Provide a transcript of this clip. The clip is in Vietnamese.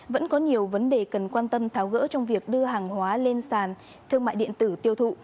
vẫn có nhiều vấn đề cần quan tâm tháo gỡ trong việc đưa hàng hóa lên sàn thương mại điện tử tiêu thụ